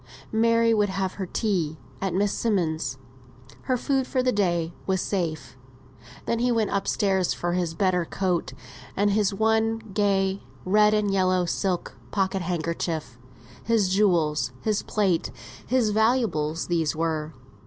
Mary would have her tea at Miss Simmonds'; her food for the day was safe. Then he went up stairs for his better coat, and his one, gay, red and yellow silk pocket handkerchief his jewels, his plate, his valuables, these were.